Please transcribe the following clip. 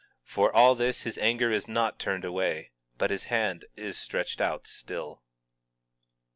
For all this his anger is not turned away, but his hand is stretched out still.